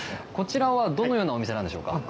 こちらはどのようなお店なんでしょうか？